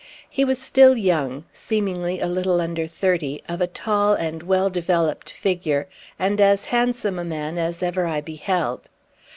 He was still young, seemingly a little under thirty, of a tall and well developed figure, and as handsome a man as ever I beheld.